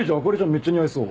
めっちゃ似合いそう。